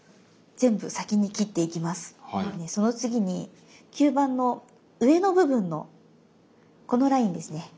その次に吸盤の上の部分のこのラインですね。